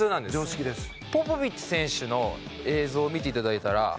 「ポポビッチ選手の映像を見て頂いたら」